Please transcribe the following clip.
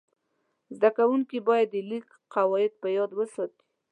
زده کوونکي باید د لیک قواعد په یاد وساتي.